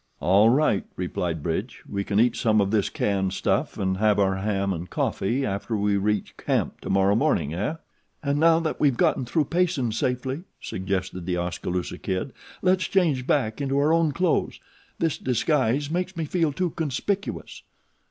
"All right," replied Bridge, "we can eat some of this canned stuff and have our ham and coffee after we reach camp tomorrow morning, eh?" "And now that we've gotten through Payson safely," suggested The Oskaloosa Kid, "let's change back into our own clothes. This disguise makes me feel too conspicuous."